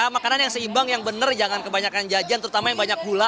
makanan yang seimbang yang benar jangan kebanyakan jajan terutama yang banyak gula